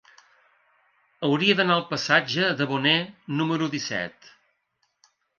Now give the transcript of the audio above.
Hauria d'anar al passatge de Boné número disset.